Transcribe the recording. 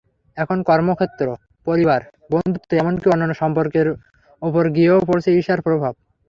এখন কর্মক্ষেত্র, পরিবার, বন্ধুত্ব, এমনকি অন্যান্য সম্পর্কের ওপর গিয়েও পড়ছে ঈর্ষার প্রভাব।